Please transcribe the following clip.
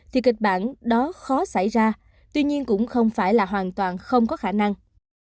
thì kịch bản đó khó xảy ra tuy nhiên cũng không phải là hoàn toàn không có khả năng